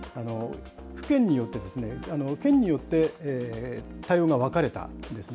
府県によって、県によって対応が分かれたんですね。